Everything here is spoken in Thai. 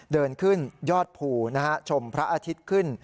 เดินขึ้นยอดภูชมพระอาทิตย์ขึ้น